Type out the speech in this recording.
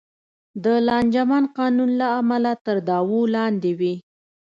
د لانجمن قانون له امله تر دعوو لاندې وې.